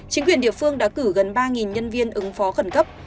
chính quyền địa phương đã cử gần ba nhân viên ứng phó khẩn cấp